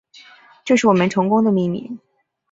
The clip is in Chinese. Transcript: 这是我们成功的秘密